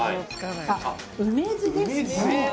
あっ梅酢ですね。